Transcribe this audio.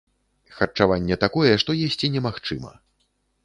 Харчаванне такое, што есці немагчыма.